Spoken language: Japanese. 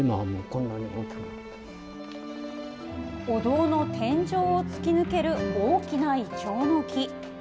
お堂の天井を突き抜ける大きなイチョウの木。